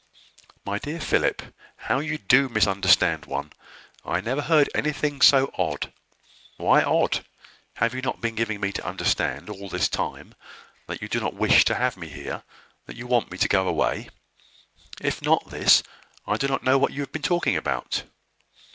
"My dear Philip, how you do misunderstand one! I never heard anything so odd." "Why odd? Have you not been giving me to understand, all this time, that you do not wish to have me here, that you want me to go away? If not this, I do not know what you have been talking about."